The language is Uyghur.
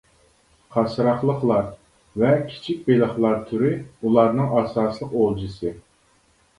قاسراقلىقلار ۋە كىچىك بېلىقلار تۈرى ئۇلارنىڭ ئاساسلىق ئولجىسى.